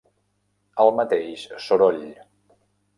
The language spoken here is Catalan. El mateix Soroll